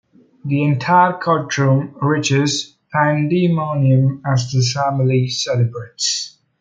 The entire courtroom reaches pandemonium as the family celebrates.